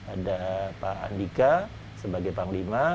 ada pak andika sebagai panglima